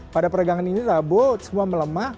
pada peregangan ini rabu semua melemah